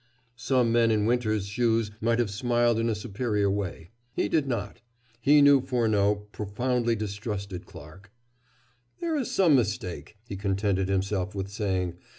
Some men in Winter's shoes might have smiled in a superior way. He did not. He knew Furneaux, profoundly distrusted Clarke. "There is some mistake," he contented himself with saying.